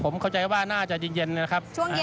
ผมเข้าใจว่าน่าจะเย็นนะครับ